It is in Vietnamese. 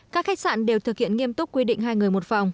các khách sạn đều thực hiện nghiêm túc quy định hai người một phòng